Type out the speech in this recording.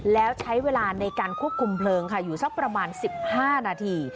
แล้วใช้เวลาในการควบคุมเพลิงค่ะอยู่สักประมาณ๑๕นาที